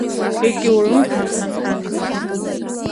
Егьаурым, ҳа, ҳа, ҳа!